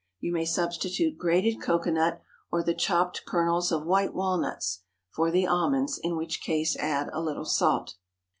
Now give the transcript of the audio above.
You may substitute grated cocoanut, or the chopped kernels of white walnuts, for the almonds, in which case add a little salt.